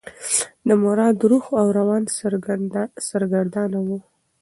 د مراد روح او روان سرګردانه و.